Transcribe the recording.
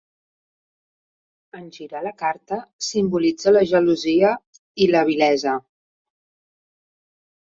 En girar la carta, simbolitza la gelosia i la vilesa.